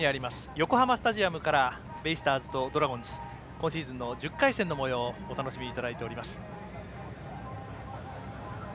横浜スタジアムからベイスターズとドラゴンズ今シーズンの１０回戦のもようをお楽しみいただいております。